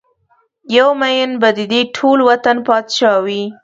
یو ميېن به ددې ټول وطن پاچا وي